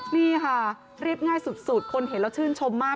นี่ค่ะเรียบง่ายสุดคนเห็นแล้วชื่นชมมาก